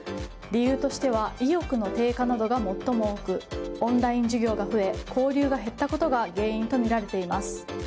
理由としては意欲の低下などが最も多くオンライン授業が増え交流が減ったことが原因とみられています。